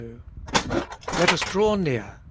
— 22. Let us draw near .